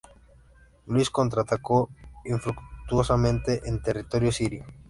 Luis contraatacó infructuosamente en territorio sirio.